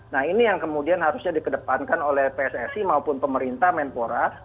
nah ini yang kemudian harusnya dikedepankan oleh pssi maupun pemerintah menpora